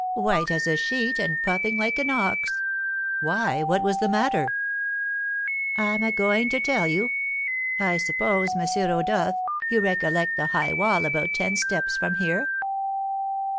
White as a sheet and puffing like an ox!" "Why, what was the matter?" "I'm a going to tell you. I suppose, M. Rodolph, you recollect the high wall about ten steps from here?